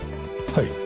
はい。